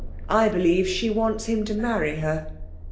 I believe she wants him to marry her.'